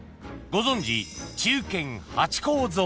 ［ご存じ］